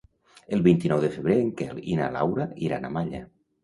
El vint-i-nou de febrer en Quel i na Laura iran a Malla.